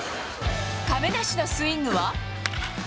亀梨のスイングは。